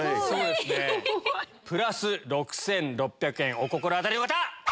お心当たりの方！